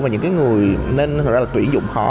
và những người nên họ ra là tuyển dụng khó